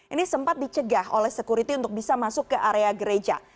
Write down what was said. ini sempat dicegah oleh sekuriti untuk bisa masuk ke area gereja